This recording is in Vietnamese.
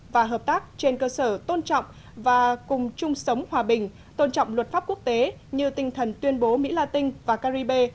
và hợp tác trên cơ sở tôn trọng và cùng chung sống hòa bình tôn trọng luật pháp quốc tế như tinh thần tuyên bố mỹ la tinh và caribe